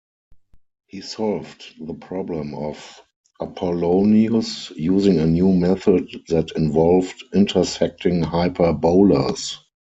He solved the Problem of Apollonius using a new method that involved intersecting hyperbolas.